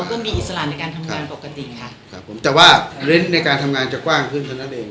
เราก็มีอิสระในการทำงานปกติครับครับผมแต่ว่าเล่นในการทำงานจะกว้างขึ้นขนาดเอง